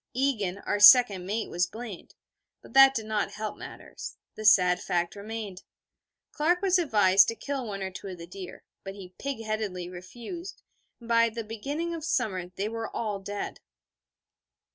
Egan, our second mate, was blamed; but that did not help matters: the sad fact remained. Clark was advised to kill one or two of the deer, but he pig headedly refused: and by the beginning of summer they were all dead.